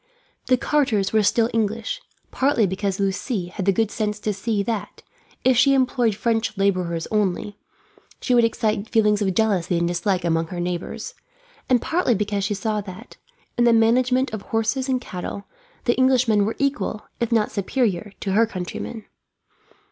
The carters were still English; partly because Lucie had the good sense to see that, if she employed French labourers only, she would excite feelings of jealousy and dislike among her neighbours; and partly because she saw that, in the management of horses and cattle, the Englishmen were equal, if not superior, to her countrymen.